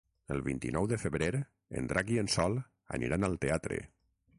El vint-i-nou de febrer en Drac i en Sol aniran al teatre.